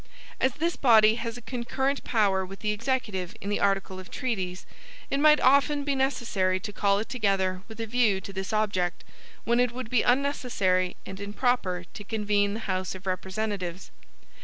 AS this body has a concurrent power with the Executive in the article of treaties, it might often be necessary to call it together with a view to this object, when it would be unnecessary and improper to convene the House of Representatives.